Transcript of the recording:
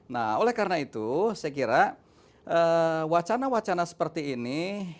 nah oleh karena itu saya kira wacana wacana seperti ini